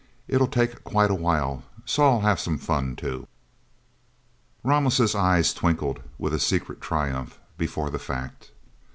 It'll take quite a while, so I'll have some fun, too." Ramos' eyes twinkled with a secret triumph before the fact.